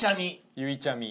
「ゆいちゃみ」